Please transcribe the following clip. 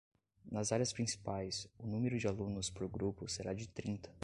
Nas áreas principais, o número de alunos por grupo será de trinta.